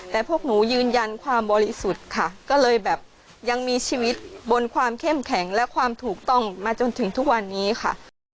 แต่พวกหนูยืนยันความบริสุทธิ์ค่ะก็เลยแบบยังมีชีวิตบนความเข้มแข็งและความถูกต้องมาจนถึงทุกวันนี้ค่ะ